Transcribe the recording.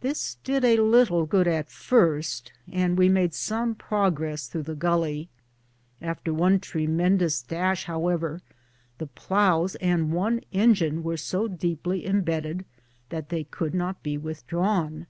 This did a little good at first, and we made some prog ress through the gully. After one tremendous dash, however, the ploughs and one engine were so deeply embedded that they could not be withdrawn.